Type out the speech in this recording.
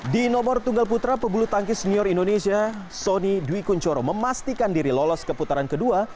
di nomor tunggal putra pebulu tangkis senior indonesia sonny dwi kunchoro memastikan diri lolos ke putaran kedua